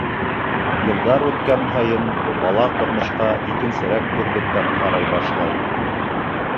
Йылдар үткән һайын, бала тормошҡа икенсерәк күҙлектән ҡарай башлай.